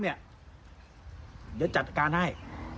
เดี๋ยวจัดการให้